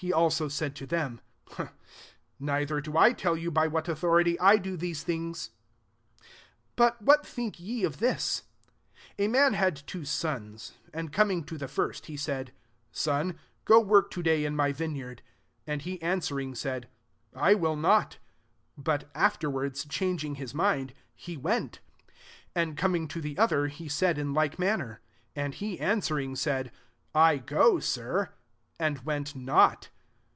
He also said to them, "Neither do I tell you by what authority I do these things. 28 •* But what think ye of thi» ? A man had two sons ; and coming to the first, he said, • Son, go work to day in [my'] vbeyard,* 29 and he answering, «aid < I will not,' but afterwards, changing his mind, he went. 30 And coming to the odier, he said in like manner. And he answering, said, * I^o, Sir ;' and went not.